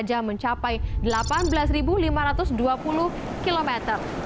yang mencapai delapan belas lima ratus dua puluh kilometer